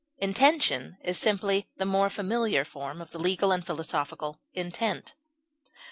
Intention is simply the more familiar form of the legal and philosophical intent.